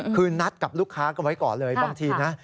คือนัดกับลูกค้ากันไว้ก่อนเลยบางทีนะ